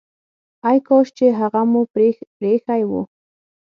ای کاش چي هغه مو پريښی وو!